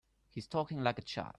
He's talking like a child.